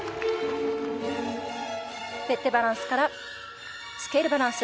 フェッテバランスからスケールバランス。